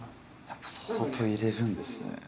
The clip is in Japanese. やっぱ相当入れるんですね。